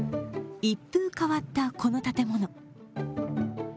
一風変わったこの建物。